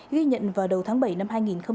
ghi nhận vào đầu tháng bảy năm hai nghìn hai mươi